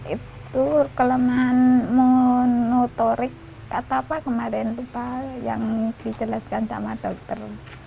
itu kelemahan monotorik kata apa kemarin lupa yang dijelaskan sama dokter